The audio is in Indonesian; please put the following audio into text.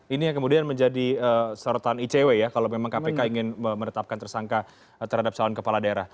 ini yang kemudian menjadi sorotan icw ya kalau memang kpk ingin menetapkan tersangka terhadap calon kepala daerah